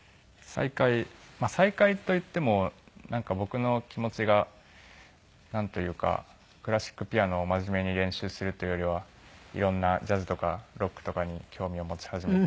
再開まあ再開といってもなんか僕の気持ちがなんというかクラシックピアノを真面目に練習するというよりは色んなジャズとかロックとかに興味を持ち始めて。